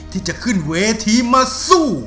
ที่จะขึ้นเวทีมาสู้